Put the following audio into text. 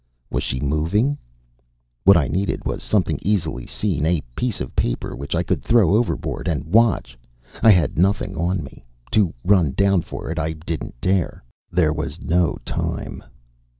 Was she moving? What I needed was something easily seen, a piece of paper, which I could throw overboard and watch. I had nothing on me. To run down for it I didn't dare. There was no time.